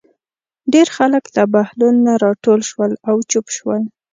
ډېر خلک له بهلول نه راټول شول او چوپ شول.